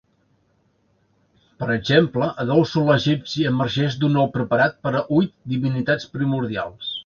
Per exemple el déu solar egipci emergeix d'un ou preparat per huit divinitats primordials.